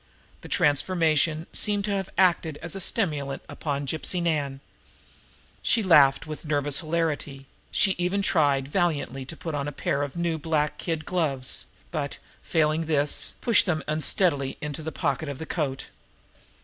The transformation seemed to have acted as a stimulant upon Gypsy Nan. She laughed with nervous hilarity she even tried valiantly to put on a pair of new black kid gloves, but, failing in this, pushed them unsteadily into the pocket of her coat.